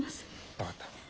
分かった。